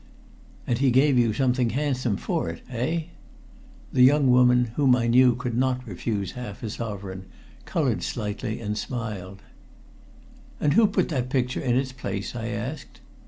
"And he gave you something handsome for it eh?" The young woman, whom I knew could not refuse half a sovereign, colored slightly and smiled. "And who put that picture in its place?" I asked.